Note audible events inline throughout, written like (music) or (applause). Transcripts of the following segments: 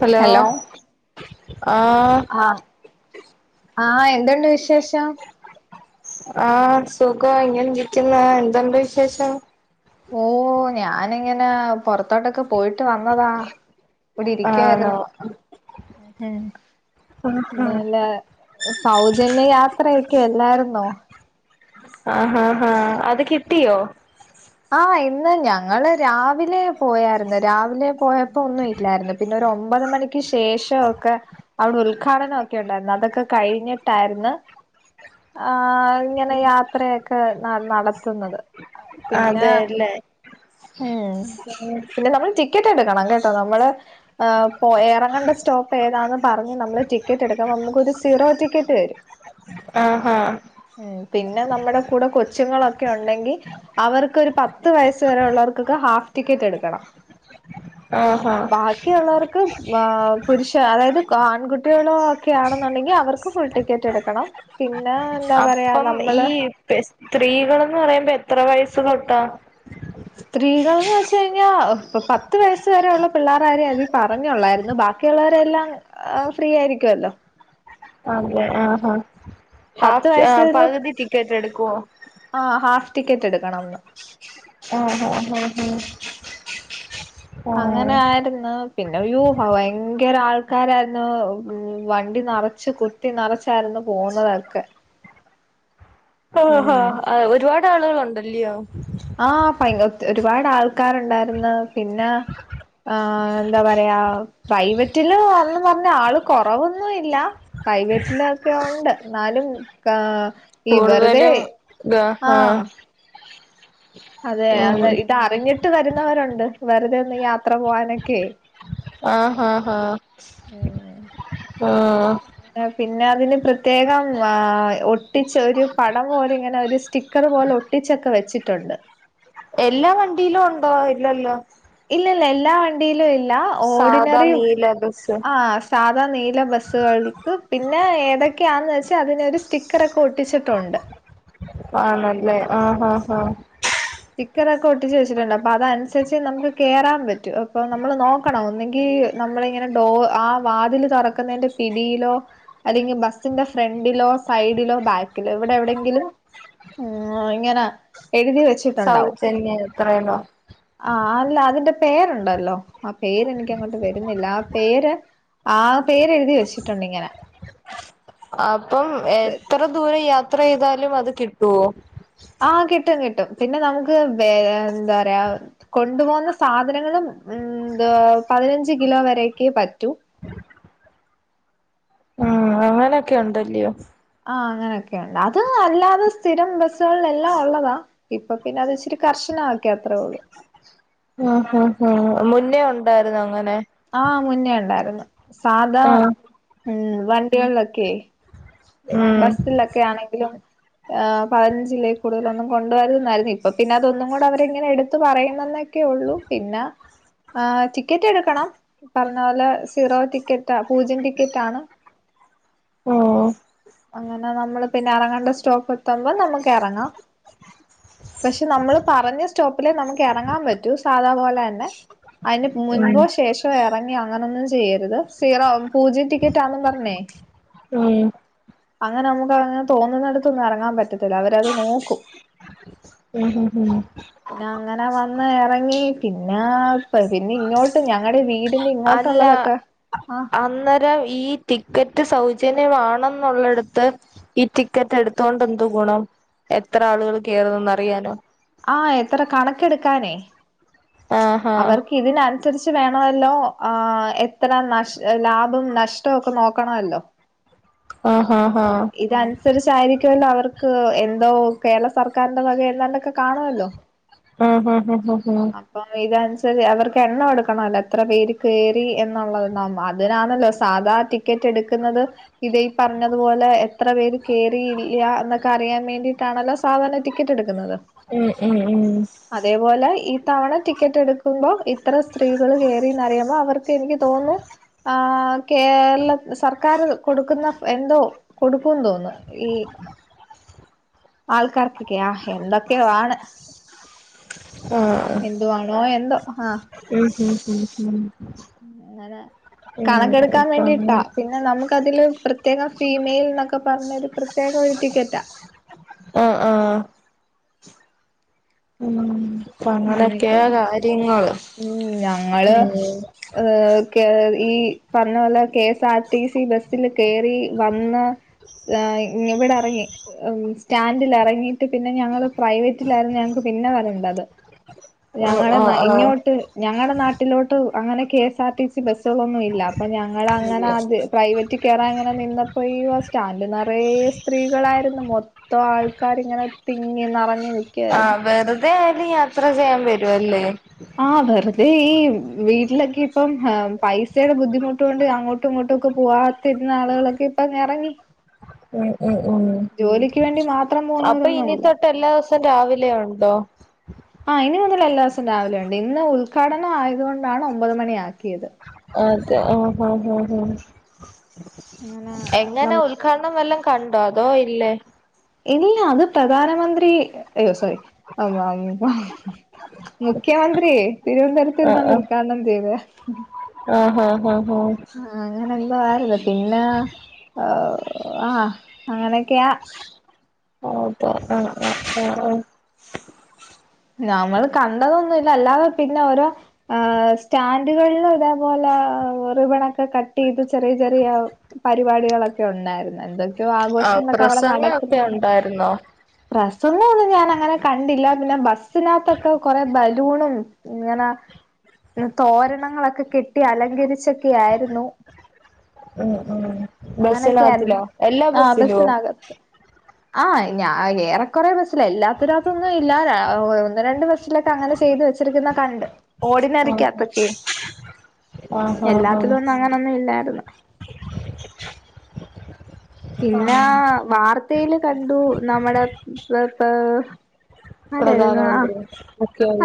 hello ആഹ് ആ ആ എന്ത്‌ണ്ട് വിശേഷം റ്റാ ആ സുഖവാ ഇങ്ങനെ ഇരിക്കുന്നു എന്തുണ്ട് വിശേഷം ഓ ഞാന് ങ്ങനെ പൊറത്തോട്ടൊക്കെ പോയിട്ട് വന്നതാ ഇവിടെ ആണോ ഇരിക്കുവാരുന്നു മ് ആഹ് ഇന്നലെ സൗജന്യ യാത്ര ക്കെല്ലാരുന്നോ ആ ഹാ ഹാ അത് കിട്ടിയോ ആ ഇന്ന് ഞങ്ങള് രാവിലെ പോയാരുന്നു രാവിലെ പോയപ്പോ ഒന്നും ഇല്ലായിരുന്നു പിന്നെ ഒരു ഒമ്പത് മണിക്ക് ശേഷവൊക്കെ അവിടെ ഉത്ഘാടനൊക്കെ ഉണ്ടായിരുന്നു അതൊക്കെ കഴിഞ്ഞിട്ടാരുന്നു ആ ഇങ്ങനെ യാത്രയാ ക്ക് ന നടത്തുന്നത് പിന്നെ അതെല്ലേ ഉം പിന്നെ നമ്മൾ ടിക്കറ്റ് എടുക്കണം കേട്ടോ നമ്മള് പോയ ഇറങ്ങേണ്ട സ്റ്റോപ്പ് ഏതാെന്ന് പറഞ്ഞ് നമ്മള് ടിക്കറ്റ് എടുക്കുമ്പോ നമുക്കൊരു സീറോ ടിക്കറ്റ് ആഹാ ഉം പിന്നെ നമ്മുടെ കൂടെ കൊച്ചുങ്ങളൊ ക്കെ ഒണ്ടെങ്കി അവർക്കൊരു പത്ത് വയസ് വരെ ഉള്ളവർക്കൊക്കെ ഹാഫ് ടിക്കറ്റ് എടുക്കണം ആഹാ ബാക്കിയൊള്ളവർക്ക് ആ പുരുഷ അതായത് ആൺകുട്ടികളോക്കെയാണെന്നുണ്ടെങ്കി അവർക്ക് ഫുൾ ടിക്കറ്റ് എടുക്കണം പി അപ്പം ഈ സ്ത്രീകളെന്ന് പറയുമ്പോ എത്ര വയസ് സുഖവുട്ട (unintelligible) സ്ത്രീകൾന്ന് വെച്ച് കഴിഞ്ഞാ അപ്പൊ പത്ത് വയസ്സ് വരെയുള്ള പിള്ളേരെ കാര്യേ പറഞ്ഞോള്ളായിരുന്നു ബാക്കിയുള്ളവരെ എല്ലാം ഫ്രീ ആയിരിക്കുവല്ലോ (unintelligible) അതെ ആ പത്ത് ഹാഫ് വയസ്സില് പകുതി ടിക്കറ്റ് എടുക്കൊ ആ ഹാഫ് ടിക്കറ്റ് എടുക്കണം എന്ന് ആ ആ ആ ആ അങ്ങനെ ആയിരുന്നു പിന്നെ വ്യൂ ഹവായ് ഭയങ്കര ആൾക്കാരായിരുന്നു വണ്ടി നറച്ചു കുത്തി നറച്ചായിരുന്നു പോവുന്നതൊക്കെ ന്നതൊക്കെ ആ ഹാ ഒരുപാ ട് ആളുകളുണ്ടല്ലയോ ആ ഭയ ഒരുപാട് ആൾക്കാരുണ്ടാരിന്ന് പിന്നെ എന്താ പറയാ പ്രൈവറ്റിലെന്ന് പറഞ്ഞ് ആള് കുറവൊന്നുയില്ല പ്രൈവറ്റിലൊക്കെ ഉണ്ട് എന്നാലും ഈ വെറുതെ കൂടുതലും ഗ ആ അതെ അതെ ഇത് അറിഞ്ഞിട്ട് വരുന്നവരുണ്ട് വെറുതെ ഒന്ന് യാത്ര പോകാനൊക്കെ ആ ഹ ഹ പിന്നെ അതിന് പ്രത്യേകം ആ ഒട്ടിച്ച ഒരു പടം പോലെ ഇങ്ങനെ ഒരു സ്റ്റിക്കർ പോലെ ഒട്ടിച്ചൊക്കെ വെച്ചിട്ടുണ്ട് എല്ലാ വണ്ടിയിലും ഉണ്ടോ ഇല്ലല്ലോ ഇല്ലല്ല എല്ലാ വണ്ടിയിലുംഇല്ല സാധാ ഓഡിനറി നീല ബസ് സാധാ നീല ബസ്സുകൾക്ക് പിന്നെ ഏതൊക്കെയാന്ന് വെച്ചാ അതിനൊരു സ്റ്റിക്കറോക്കെ ഒട്ടിച്ചിട്ടുണ്ട് ആ നല്ലേ ആ ഹാ ഹാ സ്റ്റിക്കറോക്കെ ഒട്ടിച്ച് വെച്ചിട്ടുണ്ട് അപ്പൊ അതനുസരിച്ച് നമുക്ക് കേറാൻ പറ്റൂ അപ്പൊ നമ്മള് നോക്കണം ഒന്നെങ്കി നമ്മള് ഇങ്ങനെ ഡോ ആ വാതില് തുറക്കുന്നതിന്റെ പിടിയിലോ അല്ലെങ്കിൽ ബസിന്റെ ഫ്രണ്ടിലോ സൈഡിലോ ബാക്കിലോ ഇവിടെ എവിടെങ്കിലും ങ്ങനെ എടുത്ത് വേ സൗജന്യ എത്രയല്ലോ ആഹ് അല്ല അതിന്റെ പേരുണ്ടല്ലോ ആ പേര് എനിക്കങ്ങോട്ട് വരുന്നില്ല ആ പേര് ആ പേരെഴുതി വെച്ചിട്ടുണ്ട് ഇങ്ങനെ അപ്പം എത്ര ദൂരംയാ ത്ര ചെയ്താലും അത് കിട്ടുവോ ആ കിട്ടും കിട്ടും പിന്നെ നമുക്ക് വേ എന്താ പറയാ കൊണ്ടുപോകുന്ന സാധനങ്ങളും എന്തോ പതിനഞ്ച് കിലോ വരക്ക് പറ്റും ഉം അങ്ങനെയൊക്കെ ഉണ്ടല്ലോ ആ അങ്ങനൊക്ണ്ട് അത് അല്ലാതെ സ്ഥിരം ബസ്സുകളിൽ എല്ലാം ഉള്ളതാ ഇപ്പൊ പിന്നെ അത് ഇച്ചിരി കർശനാക്കി അത്രേ ഒള്ളു ഹ ഹ ഹാ മുന്നേ ഉണ്ടായിരുന്നോ ഇങ്ങനെ ആ മുന്നേ ഉണ്ടായിരുന്ന് സാദാ ആഹ് ഉം വണ്ടികൾക്കെ ആ ബസ്സിലൊക്കെ ആണെങ്കിലും ഹേ പതിനഞ്ചിലേകുടെ ലൊന്നും കൊണ്ടുവരരുത് എന്നായിരുന്നു ഇപ്പൊ പിന്നെ അതൊന്നും കൂടെ അവര്ങ്ങനെ എടുത്തു പറയുന്നന്നൊക്കെ ഒള്ളൂ പിന്നെ ആ ടിക്കറ്റ് എടുക്കണം പറഞ്ഞപോലെ സീറോ ടിക്കറ്റ് പൂജ്യം ടിക്കറ്റ് ആണ് അ ആ അങ്ങനെ നമ്മള് പിന്നെ എറങ്ങേണ്ട സ്റ്റോപ്പ് എത്തുമ്പോ നമുക്ക് ഇറങ്ങാം പക്ഷെ നമ്മൾ പറഞ്ഞ സ്റ്റോപ്പിലേ നമുക്ക് ഇറങ്ങാൻ പറ്റൂ സാധാ പോലെ തന്നെ അതിന് ഉം മുൻമ്പോ ശേഷോ ഇറങ്ങി അങ്ങനൊന്നും ചെയ്യരുത് സീറോ പൂജിം ടിക്കറ്റ്ന്നെന്നും പറഞ്ഞേ ഉം അങ്ങനെ നമുക്ക്ങ്ങനെ തോന്നുന്നടുത്തൊന്നും ഇറങ്ങാൻ പറ്റത്തില്ല അവരത് നോക്കും ഹ് ഹ് ഹ് പിന്നേ അങ്ങനെ വന്ന് ഇറങ്ങി പിന്നെ പിന്നെ ഇങ്ങോട്ട് ഞങ്ങള്ടെ വീട് അല്ല അന്നേരം ഈ ടിക്കറ്റ് സൗജന്യമാണെന്നുള്ളടുത്ത് ഈ ടിക്കറ്റ് എടുത്തോണ്ട് എന്തു ഗുണം എത്ര ആളുകൾ കേറുന്നത് അറിയാനോ ആ എത്ര കണക്കെടുക്കാനേ ആഹാ അവർക്ക് ഇതിന അനുസരിച്ച് വേണമല്ലോ ആ എത്ര ന ലാഭം നഷ്ടവും ഒക്കെ നോക്കണല്ലോ ആഹാ ഹാ അപ്പം ഇത് അനുസരിച്ചായിരിക്കുമല്ലോ അവർ എന്തോ കേരള സർക്കാറിന്റെ വക എന്താണ്ടൊക്കെ കാണുമല്ലോ ഹ് ഹ് ഹ് ഹ് ഹ് ഇതനുസരിച്ച് അവർക്ക് എണ്ണം എടുക്കണല്ലോ എത്ര പേര് കേറി എന്നുള്ളത് ന അതിനാണല്ലോ സാധാ ടിക്കറ്റ് എടുക്കുന്നത് ഇത് ഈ പറഞ്ഞതുപോലെ എത്ര പേര് കേറി ഇല്ല എന്നൊക്കെ അറിയാൻ വേണ്ടിയിട്ടാണല്ലോ സാധാരണ ടിക്കറ്റ് എടുക്കുന്നത് ഉം ഉം ഉം അതേപോലെ ഈ തവണ ടി ടിക്കറ്റ് എടുക്കുമ്പോ ഇത്ര സ്ത്രീകള് കേയറിന്ന്റിയുമ്പോ അവർക്ക് എനിക്ക് തോന്നുന്നു ആ കേരള സർക്കാർ കൊടുക്കുന്ന എന്തോ കൊടുക്കുംന്ന് തോന്നുന്നു ഈ ആൾക്കാർക്കൊക്കെ ആ എന്തൊക്കെവാണ് ആഹ് എന്തുവാണോ എന്തോ ആഹ് ഉം ഉം ഉ ഹം അങ്ങനെ കണക്കെടുക്കാൻ അപ്പങ്ങനെ വേണ്ടിട്ടാ പിന്നെ നമുക്ക്തില് പ്രത്യേകം ഫീമെയിൽ എന്നൊക്കെ പറഞ്ഞൊ ഒരു പ്രത്യേകം ഒരു ടിക്കറ്റാ ആഹ ആഹ ഉം അപ്പൊ അങ്ങനൊക്കെ അങ്ങനെയൊക്കെ കാര്യങ്ങൾ ഉം ഞങ്ങള് ഏഹ ഈ പറഞ്ഞ പോലെ K S R T C ബസ്സിൽ കയറി വന്ന് ഇവിടെ ഇറങ്ങി സ്റ്റാൻഡിൽ ഇറങ്ങിട്ട് പിന്നെ ഞങ്ങള് പ്രൈവറ്റിലായിരുന്നു ഞങ്ങക്ക് പിന്നെ വരണ്ടത് ആഹ് ഞങ്ങളെ ആഹ് ആഹ് ഇങ്ങോട്ട് ഞങ്ങളുടെ നാട്ടിലോട്ട് അങ്ങനെ കെ എസ്ആർ ടി സി ബസ്സുകളൊന്നും ഇല്ല അപ്പൊ ഞങ്ങള അങ്ങനെ അത് പ്രൈവറ്റ് കയറാൻ അങ്ങനെ നിന്നപ്പോ സ്റ്റാൻഡ് നിറയ സ്ത്രീകളായിരുന്നു മൊത്തം ആൾക്കാരി ഇങ്ങനെ തിങ്ങി നിറഞ്ഞ നി ആഹ വേറെ ഇതയാലും യാത്ര ചെയ്യാൻ വരുഅല്ലേ (unintelligible) അത ഈ വീട്ടിലൊക്കെ ഇപ്പം പൈസയുടെ ബുദ്ധിമുട്ട കൊണ്ട് അങ്ങോട്ടും ഇങ്ങോട്ടും ഒക്കെ പോവാത്തിരുന്ന ആളുകളൊക്കെ ഇപ്പൊ ഇറങ്ങി ഉം ഉം ഉം മാത്രം അപ്പൊ പോകുന്നവരൊന്നും ഇനി അല്ല തൊട്ട് എല്ലാ (unintelligible) രാവിലെ ഉണ്ടോ ആ ഇനി മുതൽ എല്ലാ ദിവസം രാവിലെ ഉണ്ട് ഇന്ന് ഉദ്ഘാടനം ആയതുകൊണ്ടാണ് ഒമ്പത് മണി ആക്കിയത് അതെ ആഹ ആഹ് ആഹ ഹ അങ്ങനെ എങ്ങനെ നമ്മ ഉദ്ഘാടനം വല്ലാം കണ്ടോ അതോ ഇല്ലേ ഇല്ല അത് പ്രധാനമന്ത്രി അയ്യോ സോറി മുഖ്യമന്ത്രിയ തിരുവനന്തപരത്ത് ഇരുപണ്ട് ഉദ്ഘാടനം ചെയ്ത് ഹ ആഹ ആഓ എന്ത്‌ (unintelligible) പിന്നെ ആഹ അങ്ങനെയൊക്കെയാ ആഹ ആ ആ ആ ഞമ്മൾ കണ്ടതൊന്നുമല്ല അല്ലാതെ പിന്നെ ഓരോ സ്റ്റാൻഡുകളിലും അതേപോലെ റിബൺൊക്കെ കട്ട് ചെയ്ത് ചെറിയ ചെറിയ പരിപാടികളൊക്കെ ഉണ്ടായിരുന്നു എന്തൊ ആ പ്രസങ്ങൊക്കെ ഉണ്ടായിരുന്നോ പ്രസങ്ങോന്നും ഞാൻ അങ്ങനെ കണ്ടില്ല പിന്നെ ബസ്സിനകത്തൊക്കെ കൊറെ ബലൂണും ഇങ്ങനെ തോരണങ്ങളൊക്കെ കെട്ടി അലങ്കരിച്ചൊക്കെ ആയിരുന്നു അങ്ങനൊക്കെ ബസിനകത്തിലോ ആയിരുന്നു എല്ലാ ബസിലോ ആഹ ഞാൻ ആ ഏറെക്കറെ ബസ്സില എല്ലാത്തിനകത്തൊന്നും ഇല്ല ഒന്ന് രണ്ട് ബസ്സിലൊക്കെ അങ്ങനെ ചെയ്ത് വെച്ചിരിക്കുന്ന കണ്ട് ആഹ് ഓടിനറിക്കാത്തൊക്കെ ആഹ് ആഹ് ആഹ് എല്ലാത്തിലോന്നും അങ്ങനൊന്നും ഇല്ലായിരുന്നു പിന്നെ ആഹ് വാർത്ത തേല കണ്ടു നമ്മുടെ ഇപ്പ പ്രധാനമന്ത്രി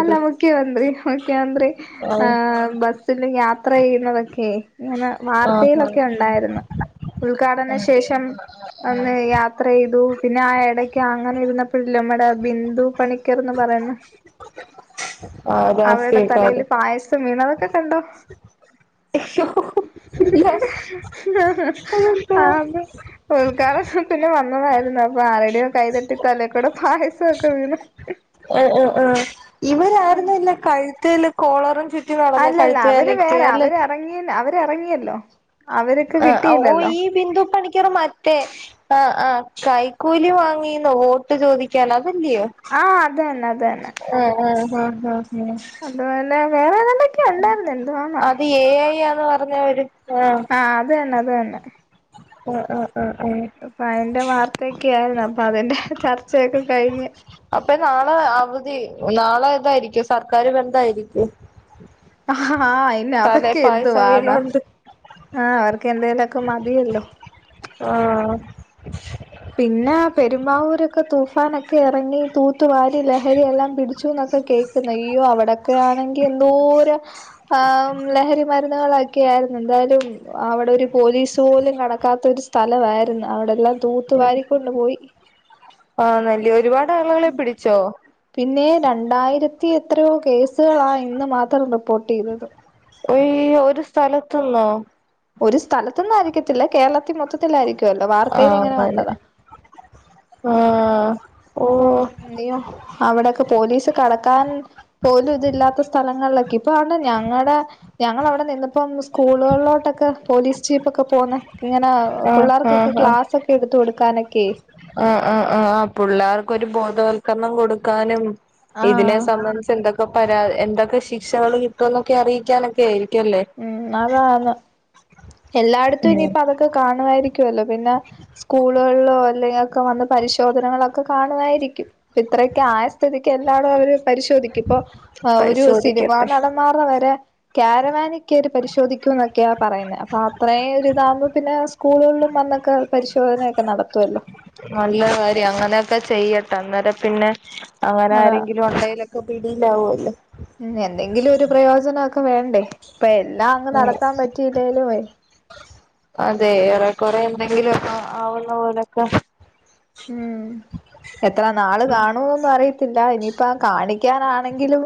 അല്ല മുഖ്യമന്ത്രി മുഖ്യമന്ത്രി ആഹ് ആഹ ബസ് യാത്ര ചെയ്യുന്നതൊക്കെ ഇങ്ങനെ ആഹ് ആഹ് വാർത്തയിലൊക്കെ ഉണ്ടായിരുന്നു ഉദ്ഘാടന അതെ ശേഷം ആഹ് ആഹ് ഒന്ന് യാത്ര ചെയ്തു പിന്നെ ആ ഇടക്ക് അങ്ങനെ ഇരുന്നപ്പോഴല്ലോമ്മട ബിന്ദു പണിക്കർന്ന് പറയുന്ന ആഹ് ആഹ് അവരുടെ തലൽ രാഷ്ട്രീയക്കാര് പായസം വി ണതൊക്കെ കണ്ടോ ആ (unintelligible) കാരത്തിന്നെ വന്നതായിരുന്നു അപ്പൊ ആരുടെോ കൈതട്ടി തലേക്കൂടെ പായസമൊക്കെ വീണ് ആ ആ ആ ഉം ഇവരാരന്നല്ല കഴുത്തൽ കോളറും ചൂ അല്ലല്ല അവര് വേറെ അവര്റങ്ങിയ അവ ഇറങ്ങിയല്ലോ ആ ഓ ഈ ബിന്ദു പണിക്കർ മറ്റേ ആ ആ കൈക്കൂലി വാങ്ങിന്നോ വോട്ട് ചോദിക്കാൻ അതല്ലയോ ആ അതന്നെ അത തന്നെ ആഹ ആഹ അതുപലെ വേറേ (unintelligible) അത് ഐ പറഞ്ഞവര് ആഹ അത് തന്നെ അ അത് തന്നെ ഉം ഉം അപ്പൊ അതിന്റെ വാർത്തയൊക്കെ ആായിരുന്നു അപ്പൊ അതിന്റെ ചർച്ചയൊക്കെ കഴിഞ്ഞ അപ്പൊ നാളെ അവധി നാളെ തായിരിക്കും സർക്കാാര് ബന്ധായിരിക്കും ആ ആഹ് ഇന്നെ തലേ അതക്കെ എതു പായസം വാന്ന വീണോണ്ട് ആ അവർക്കന്തേലുമൊക്കെ മതിയല്ലോ ആഹ പിന്നെ പെരുമ്പാവൂരൊക്കെ തൂഫാനൊക്കെ ഇറങ്ങി തൂ തൂത്തുവാരി ലഹരി എല്ലാം പിടിച്ചുനോക്കെ ക്കെ കേക്കുന്നു യ്യോ അവ ടോക്കെ ആണെങ്കിൽ എന്തോരം ആ ലഹരി മരുന്ന് രുന്നുകളൊക്കെ ആയിരുന്നു ന്തായാലും അവിടെ ഒരു പോലീസ് പോലും കടക്കാത്ത ഒരു സ്ഥലായിരുന്നു അവിടെല്ലാം തൂ ഉ ആ നല്ല ഒരുപാട് (inaudible) ആളുകളെ പിടിച്ചോ പിന്നെ രണ്ടായിരത്തി എത്രയോ കേസുകളാ ഇന്ന് മാത്രം റിപ്പോർട്ട് ചെയ്തത് ഒയ്യോ ഒരു സ്ഥലത്ത് ന്നോ ഒരു സ്ഥലത്ത് ന്നായിരിക്കത്തില്ല കേരളത്തി മൊത്തത്തിലായിരിക്കും ല്ലോ വാർത്തയിൽ ഇങ്ങനെ കണ്ടതാ ആ ഉം (unintelligible) അവിടൊക്കെ പോലീസ് കടക്കാൻ പോലും ഇതില്ലാത്ത സ്ഥലങ്ങളിലൊക്കെ ഇപ്പാന്ന് ഞങ്ങടെ ഞങ്ങളവിടെ നിന്നപ്പം സ്കൂളുകളിലോട്ടൊക്കെ പോലീസ് ജീപ്പ് ഒക്കെ പോന്ന ഇങ്ങനെ ആഹ് പിള്ളേർക്കൊക്കെ ആഹ് ആഹ് ക്ലാസ്സൊക്കെ എടുത്ത് കൊടുക്കാനൊക്കെ ക്കൊരു ബോധവൽക്കരണം കൊടുക്കാനും ഇതിനെ ആഹ് സംബന്ധിച്ച് എന്തൊക്കെ പരാ എന്തൊ പ്പൊ ശിക്ഷകൾ കിട്ടോന്നൊക്കറിയിക്കാനൊക്കെ ഉം അതാന്ന് എല്ലായിടത്തും ഉം ഇനിയിപ്പോ അതൊക്കെ കാണുവായിരിക്കുമല്ലോ പിന്നെ സ്കൂളുകളിലോ അല്ലെക്കെ വന്ന് പരിശോധനകളൊക്കെ കാണുവായിരിക്കും ഇത്രക്കെ ആയ സ്ഥിതിക്ക് എല്ലാവടും അവര് പരിശോധിക്കും ഇപ്പൊ അ ഒരു സിനിമാ പരിശോധിക്കട്ടെ നടന്മാരെ വരെ ക്യാരവാനിൽ കേറി പരിശോധിക്കൂ ന്നൊക്ക്യ പറയുന്നെ അ അത്രേ ഒരിതാവകുമ്പോ പിന്നെ സ്കൂളുകളിലും വന്നൊക്കെ പരിശോധനയൊക്കെ നടത്തുവല്ലോ നല്ല കാര്യം അങ്ങനെയൊക്കെ ചെയ്യട്ടെ അന്നേരം പിന്നെ അങ്ങനെ അതാ ആരെങ്കിലും ഉണ്ടെലൊക്കെ പിടില്ലാവല്ലോ ഉം എന്തെങ്കിലും ഒരു പ്രയോജനൊക്കെ വേണ്ടേ അപ്പ എല്ലാം അങ്ങ് ഉം നടത്താൻ പറ്റി (unintelligible) അതെ ഏറെ കൊറെ എന്തെങ്കിലും ആവുന്ന പോലൊക്കെ ഉം എത്ര നാള് കാണൂന്നും അറിയത്തില്ല ഇനിയിപ്പ കാണിക്കാനാണെങ്കിലും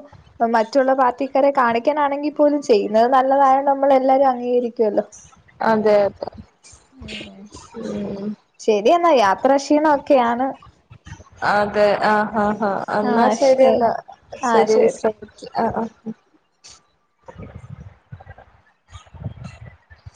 മറ്റുള്ള പാർട്ടിക്കാരെ കാണിക്കാനാണെങ്കിൽ പോലും ചെയ്യുന്നത് നല്ലതായത് കൊണ്ട് നമ്മൾ എല്ലാരും അംഗീകരിക്കൊല്ലോ അതെ അതെ ഉം (unintelligible) യാത്രാ ക്ഷീണൊക്കാണ് അതെ ആ ആ ആ എന്നാ ആഹ് ശെരി ശരി എന്ന എന്നാ ആഹ് ശെരി ശരി വിശ്രമിക്ക ആ അ (unintelligible)